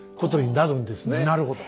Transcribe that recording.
なるほど。